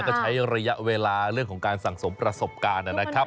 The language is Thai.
ก็ใช้ระยะเวลาเรื่องของการสั่งสมประสบการณ์นะครับ